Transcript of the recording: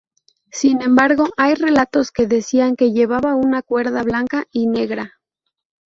Sin embargo, hay relatos que decían que llevaba una cuerda blanca y negra.